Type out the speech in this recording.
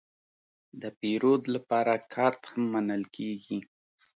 د پیرود لپاره کارت هم منل کېږي.